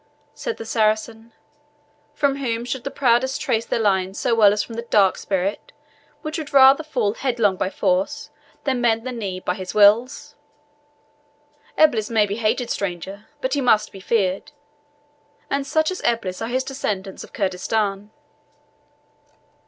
said the Saracen; "from whom should the proudest trace their line so well as from the Dark Spirit, which would rather fall headlong by force than bend the knee by his will? Eblis may be hated, stranger, but he must be feared; and such as Eblis are his descendants of Kurdistan."